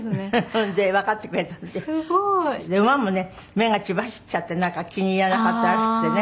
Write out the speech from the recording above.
目が血走っちゃってなんか気に入らなかったらしくてね。